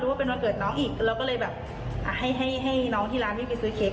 คุณพ่อกับน้องแบบเยอะมากเราก็แบบไม่คิดว่าจะขนาดนี้ว่าแบบอาหารมื้อนึง